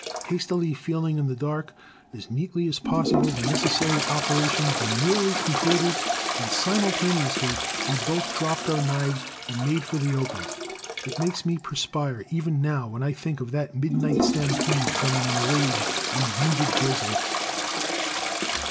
Hastily feeling in the dark, as neatly as possible the necessary operations were nearly concluded when simultaneously we both dropped our knives and made for the open.... It makes me perspire even now when I think of that midnight stampede from an enraged and wounded grizzly.